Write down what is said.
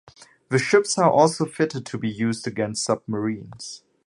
The ships are also fitted to be used against submarines.